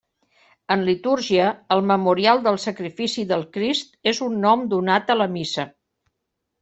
En litúrgia, el memorial del sacrifici del Crist és un nom donat a la missa.